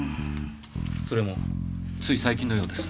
それもつい最近のようです。